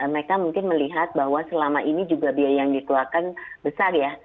mereka mungkin melihat bahwa selama ini juga biaya yang dikeluarkan besar ya